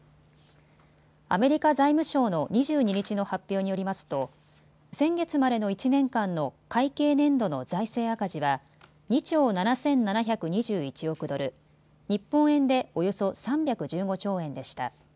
アメリカ財務省の２２日の発表によりますと先月までの１年間の会計年度の財政赤字は２兆７７２１億ドル、日本円でおよそ３１５兆円でした。